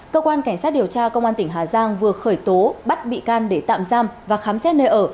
cơ quan cảnh sát điều tra công an tỉnh hà giang vừa khởi tố bắt bị can để tạm giam và khám xét nơi ở